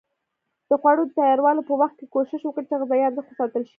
د خوړو د تیارولو په وخت کې کوښښ وکړئ چې غذایي ارزښت وساتل شي.